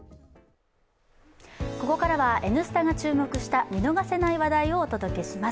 ここからは「Ｎスタ」が注目した見逃せない話題をお届けします。